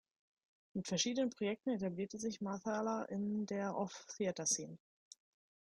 Mit verschiedenen Projekten etablierte sich Marthaler in der Off-Theater-Szene.